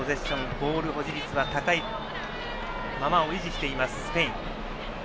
ボール保持率は高いままを維持しています、スペイン。